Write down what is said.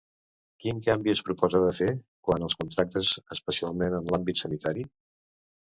Quin canvi es proposa de fer quant als contractes, especialment en l'àmbit sanitari?